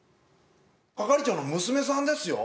係長の娘さんですよ？